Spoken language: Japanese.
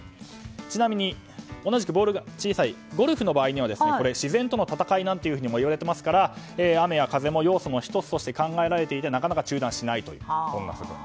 ちなみに、同じくボールが小さいゴルフの場合は自然との戦いとも言われていますから雨や風も要素の１つとして考えられていてなかなか中断しないということです。